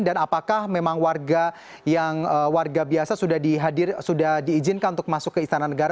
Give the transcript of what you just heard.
dan apakah memang warga yang warga biasa sudah diizinkan untuk masuk ke istana negara